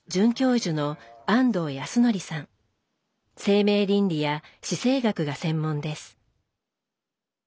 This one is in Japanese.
生命倫理や死生学が専門です。